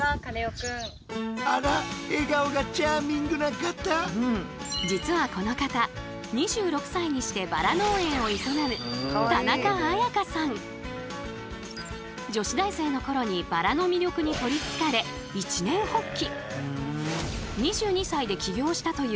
早速実はこの方２６歳にしてバラ農園を営む女子大生の頃にバラの魅力に取りつかれ一念発起。